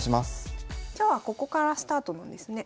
今日はここからスタートなんですね。